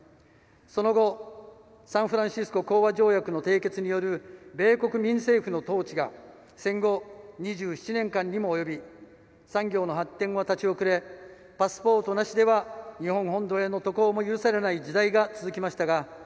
その後サンフランシスコ講和条約の締結による米国民政府の統治が戦後２７年間にも及び産業の発展は立ち遅れパスポートなしでは日本本土への渡航も許されない時代が続きましたが